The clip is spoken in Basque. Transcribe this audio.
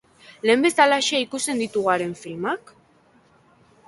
Lehen bezelaxe ikusten ditugu haren filmak?